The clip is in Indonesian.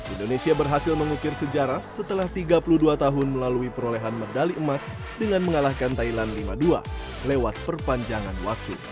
indonesia berhasil mengukir sejarah setelah tiga puluh dua tahun melalui perolehan medali emas dengan mengalahkan thailand lima dua lewat perpanjangan waktu